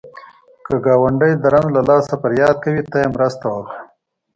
که ګاونډی د رنځ له لاسه فریاد کوي، ته یې مرسته وکړه